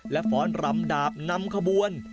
และฟ้อนรำดาบนำขบวน